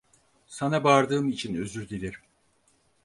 Sana bağırdığım için özür dilerim.